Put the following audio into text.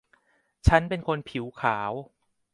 ฉันเป็นคนผิวขาว